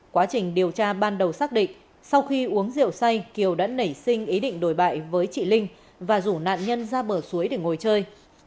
quá trình điều tra ban đầu xác định sau khi uống rượu say kiều đã nảy sinh ý định đồi bại với chị linh và rủ nạn nhân ra bờ suối để ngồi chơi